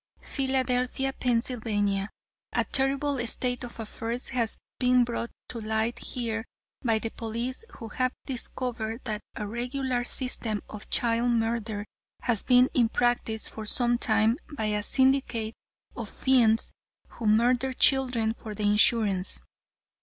"Philadelphia, Pa.: A terrible state of affairs has been brought to light here by the police who have discovered that a regular system of child murder has been in practice for some time by a syndicate of fiends who murder children for the insurance.